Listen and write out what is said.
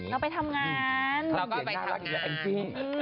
แล้วไปทำงานเราก็ไปทำงาน